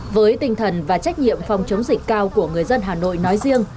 với tinh thần và trách nhiệm phòng chống dịch cao của người dân hà nội nói riêng